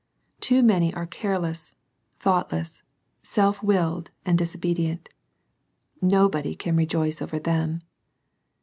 Too many are careless, thoughtless, self willed, and disobedient Nobody can rejoice over them.